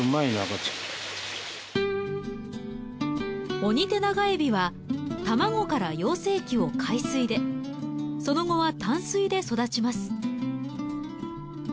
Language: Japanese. オニテナガエビは卵から幼生期を海水でその後は淡水で育ちます。